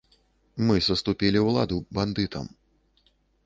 Мы саступілі ўладу бандытам.